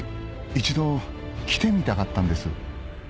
一度来てみたかったんです